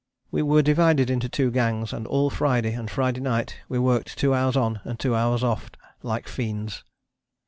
We were divided into two gangs, and all Friday and Friday night we worked two hours on and two hours off, like fiends.